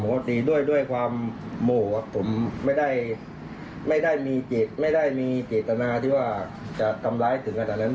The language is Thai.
ตีด้วยความโมโหผมไม่ได้มีจิตไม่ได้มีเจตนาที่ว่าจะทำร้ายถึงขนาดนั้น